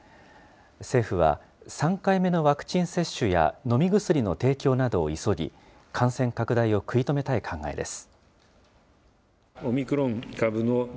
政府は、３回目のワクチン接種や飲み薬の提供などを急ぎ、感染拡大を食い止めたい考えです。